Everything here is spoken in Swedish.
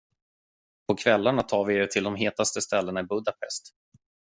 På kvällarna tar vi er till de hetaste ställena i Budapest.